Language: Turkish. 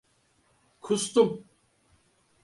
Kustum.